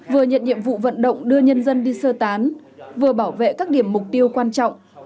vừa nhận nhiệm vụ vận động đưa nhân dân đi sơ tán vừa bảo vệ các điểm mục tiêu quan trọng